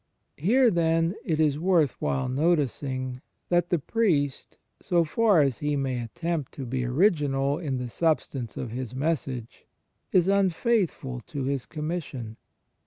Here, then, it is worth while noticing that the priest, so far as he may attempt to be original in the substance of his message, is imfaithful to his commis sion.